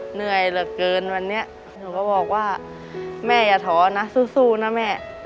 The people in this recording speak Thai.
เหนื่อยเหลือเกินวันนี้หนูก็บอกว่าแม่อย่าท้อนะสู้นะแม่